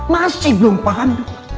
masih belum paham